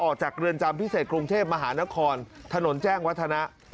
ออกจากเรือนจำพิเศษกรุงเทพมหานครถนนแจ้งวัฒนะ